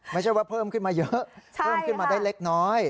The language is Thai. ไม่ใช่ว่าเพิ่มขึ้นมาเยอะเพิ่มขึ้นมาได้เล็กน้อย